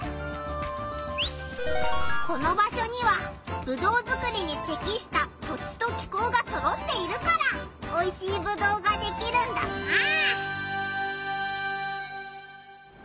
この場所にはぶどうづくりにてきした土地と気候がそろっているからおいしいぶどうができるんだな。